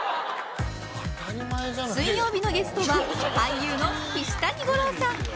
水曜日のゲストは俳優の岸谷五朗さん。